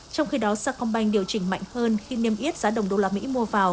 trong khi đó sa công banh điều chỉnh mạnh hơn khi niêm yết giá đồng đô la mỹ mua vào